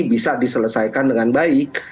bisa diselesaikan dengan baik